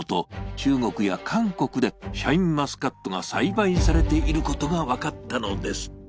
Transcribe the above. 中国や韓国でシャインマスカットが栽培されていることが分かったのです。